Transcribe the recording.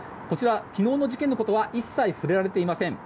昨日の事件のことは一切触れられていません。